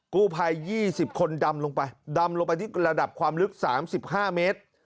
กู้ภัย๒๐คนดำลงไปดำลงไปที่ระดับความลึก๓๕เมตร